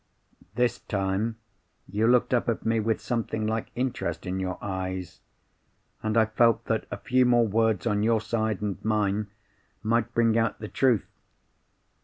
This time, you looked up at me with something like interest in your eyes; and I felt that a few more words on your side and mine might bring out the truth.